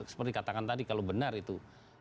seperti katakan tadi kalau benar itu